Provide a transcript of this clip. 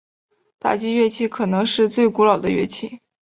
打击乐器可能是最古老的乐器。